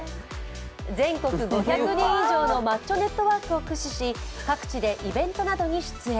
全国５００人以上のマッチョネットワークを駆使し、各地でイベントなどに出演。